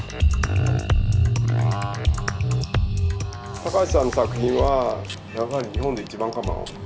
高橋さんの作品はやはり日本で一番かな。